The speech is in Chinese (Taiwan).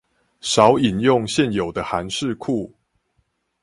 少引用現有的函式庫